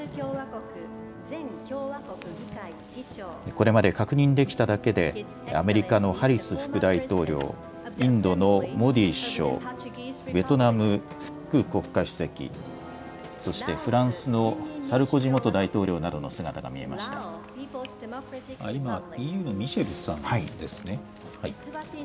これまで確認できただけでアメリカのハリス副大統領、インドのモディ首相、ベトナム、フック国家主席、そしてフランスのサルコジ元大統領などの姿が見今、ＥＵのミシェルさんです